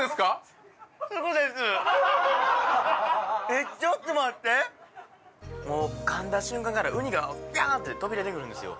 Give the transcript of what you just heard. えっちょっと待ってもうかんだ瞬間からうにがビャーって飛び出てくるんですよ